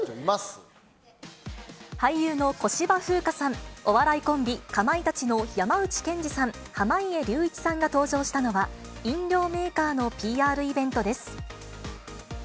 風花ちゃんは分かるけど、俺が飲み終わる表情見たい人いま俳優の小芝風花さん、お笑いコンビ、かまいたちの山内健司さん、濱家隆一さんが登場したのは、飲料メーカーのＰＲイベントです。